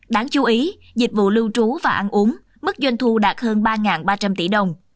đáng chú ý dịch vụ lưu trú và ăn uống mức doanh thu đạt hơn ba ba trăm linh tỷ đồng